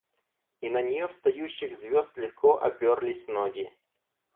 И на нее встающих звезд легко оперлись ноги.